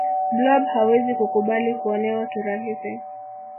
blob hawezi kukubali kuonewa kirahisi